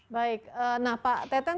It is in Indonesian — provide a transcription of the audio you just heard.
baik nah pak teten